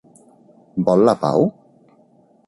Vol la pau?